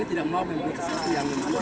kami tidak mau membutuhkan yang lain